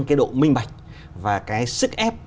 cái độ minh bạch và cái sức ép